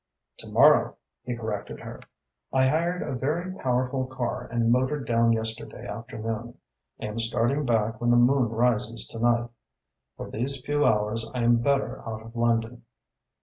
"To morrow," he corrected her. "I hired a very powerful car and motored down yesterday afternoon. I am starting back when the moon rises to night. For these few hours I am better out of London."